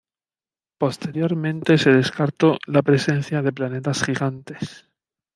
Posteriormente se descartó la presencia de planetas gigantes.